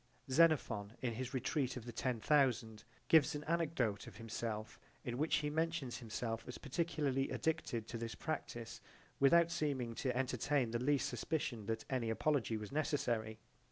Xenophon in his retreat of the ten thousand gives an anecdote of himself in which he mentions himself as particularly addicted to this practise without seeming to entertain the least suspicion that any apology was necessary.